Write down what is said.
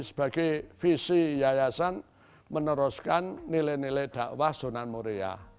sebagai visi yayasan meneruskan nilai nilai dakwah zona muria